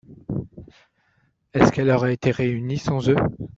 Est-ce qu’elle aurait été réunie sans eux ?